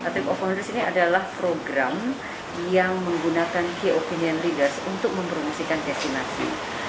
tap of hoes ini adalah program yang menggunakan key opinion leaders untuk mempromosikan destinasi